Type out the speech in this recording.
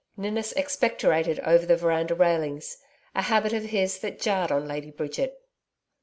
Ninnis expectorated over the veranda railings a habit of his that jarred on Lady Bridget.